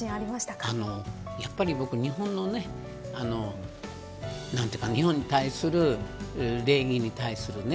僕、やっぱり日本のね日本に対する礼儀に対するね